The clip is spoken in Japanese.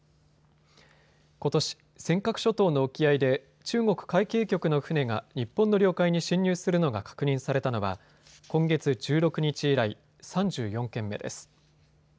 ことし、尖閣諸島の沖合で中国海警局の船が日本の領海に侵入するのが確認されたのは今月１６日以来、３４件目です。